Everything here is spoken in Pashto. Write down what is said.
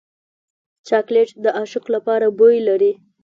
چاکلېټ د عاشق لپاره بوی لري.